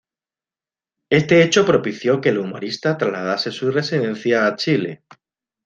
Este hecho propició que el humorista trasladase su residencia a Chile.